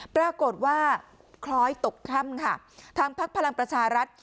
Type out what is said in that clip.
ปรากฏว่าคล้อยตกถ้ำค่ะทางพักพลังประชารัฐ